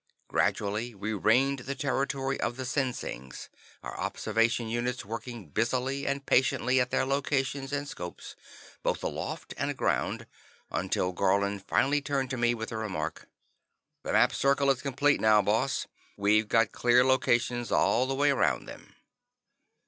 Gradually we ringed the territory of the Sinsings, our observation units working busily and patiently at their locators and scopes, both aloft and aground, until Garlin finally turned to me with the remark: "The map circle is complete now, Boss. We've got clear locations all the way around them."